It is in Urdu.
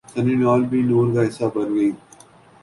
سنی لیون بھی نور کا حصہ بن گئیں